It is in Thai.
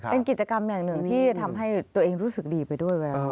เป็นกิจกรรมอย่างหนึ่งที่ทำให้ตัวเองรู้สึกดีไปด้วย